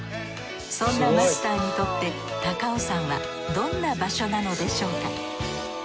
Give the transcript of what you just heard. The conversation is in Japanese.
そんなマスターにとって高尾山はどんな場所なのでしょうか？